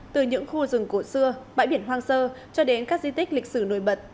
từ những khu rừng cổ xưa bãi biển hoang sơ cho đến các di tích lịch sử nổi bật